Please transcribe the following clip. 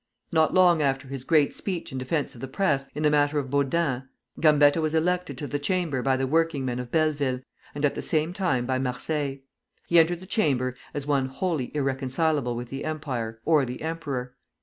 Not long after his great speech in defence of the Press, in the matter of Baudin, Gambetta was elected to the Chamber by the working men of Belleville, and at the same time by Marseilles. He entered the Chamber as one wholly irreconcilable with the Empire or the emperor.